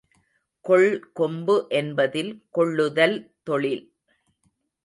கொள்கொம்பு என்பதில் கொள்ளுதல் தொழில்